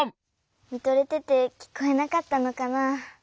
みとれててきこえなかったのかな。